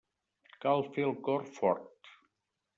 Cal fer el cor fort.